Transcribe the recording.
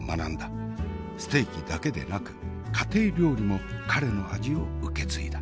ステーキだけでなく家庭料理も彼の味を受け継いだ。